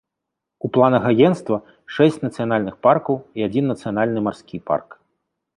У планах агенцтва шэсць нацыянальных паркаў і адзін нацыянальны марскі парк.